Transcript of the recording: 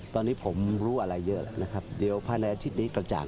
ตอนนี้ผมรู้อะไรเยอะนะครับเดี๋ยวภายในอาทิตย์นี้กระจ่าง